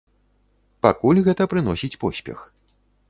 Пакуль гэта прыносіць поспех.